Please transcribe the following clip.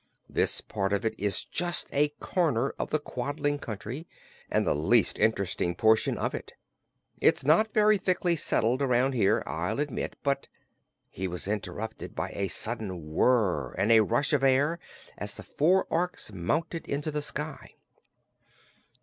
This part of it is just a corner of the Quadling Country, and the least interesting portion of it. It's not very thickly settled, around here, I'll admit, but " He was interrupted by a sudden whir and a rush of air as the four Orks mounted into the sky.